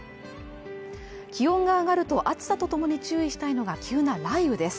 気温が上がると暑さとともに注意したいのが急な雷雨です。